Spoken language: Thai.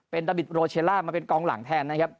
เป็นดาบิดโรเชลล่ามาเป็นกองหลังแทนนะครับ